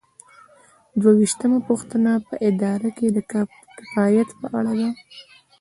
دوه ویشتمه پوښتنه په اداره کې د کفایت په اړه ده.